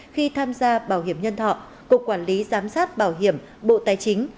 khi tham gia bảo hiểm nhân thọ cục quản lý giám sát bảo hiểm bộ tài chính